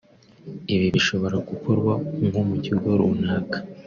Ibi bishobora gukorwa nko mu kigo runaka